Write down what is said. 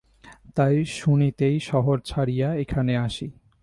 তাই শুনিতেই শহর ছাড়িয়া এখানে আসি।